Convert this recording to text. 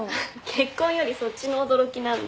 結婚よりそっちの驚きなんだ。